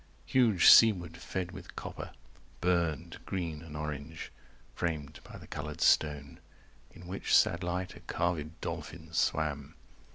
Huge sea wood fed with copper Burned green and orange, framed by the coloured stone, 95 In which sad light a carvèd dolphin swam.